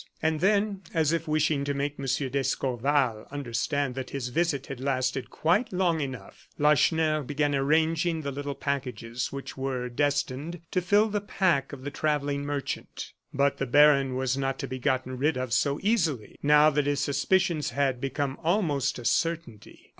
And then, as if wishing to make M. d'Escorval understand that his visit had lasted quite long enough, Lacheneur began arranging the little packages which were destined to fill the pack of the travelling merchant. But the baron was not to be gotten rid of so easily, now that his suspicions had become almost a certainty.